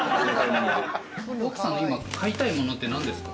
奥さんが今、買いたいものって何ですか？